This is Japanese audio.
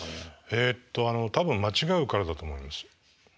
えっと多分間違うからだと思います。